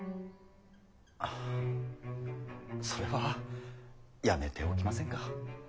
あそれはやめておきませんか。